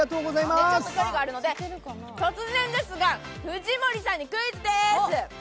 ちょっと距離があるので、突然ですが藤森さんにクイズです。